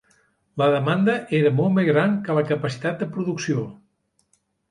La demanda era molt més gran que la capacitat de producció.